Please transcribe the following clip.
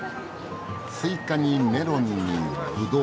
スイカにメロンにブドウ。